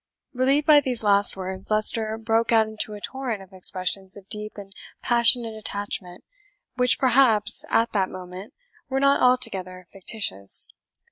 Relieved by these last words, Leicester broke out into a torrent of expressions of deep and passionate attachment, which perhaps, at that moment, were not altogether fictitious.